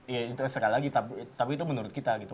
ya itu sekali lagi tapi itu menurut kita gitu